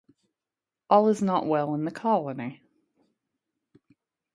All is not well in the colony.